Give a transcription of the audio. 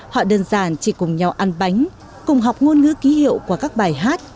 họ đơn giản chỉ cùng nhau ăn bánh cùng học ngôn ngữ ký hiệu qua các bài hát